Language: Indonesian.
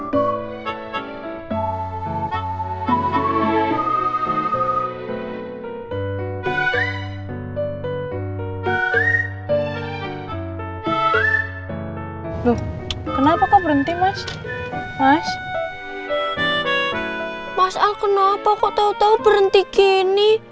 belum kenapa kau berhenti mas mas mas al kenapa kau tahu tahu berhenti gini